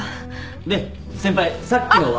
で先輩さっきのは。